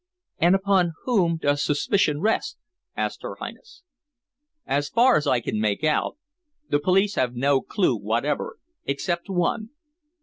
"And upon whom does suspicion rest?" asked her Highness. "As far as I can make out, the police have no clue whatever, except one.